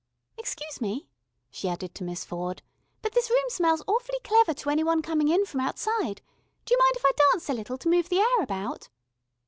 Excuse me," she added to Miss Ford, "but this room smells awfully clever to any one coming in from outside. Do you mind if I dance a little, to move the air about?"